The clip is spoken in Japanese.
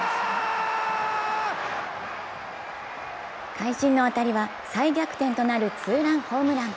会心の当たりは再逆転となるツーランホームラン。